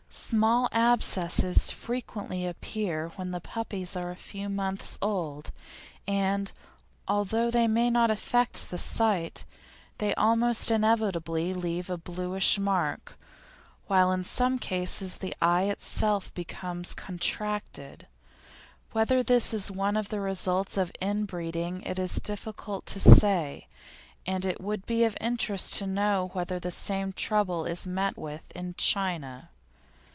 Small abscesses frequently appear when the puppies are a few months old, and, although they may not affect the sight, they almost inevitably leave a bluish mark, while in some cases the eye itself becomes contracted. Whether this is one of the results of in breeding it is difficult to say, and it would be of interest to know whether the same trouble is met with in China.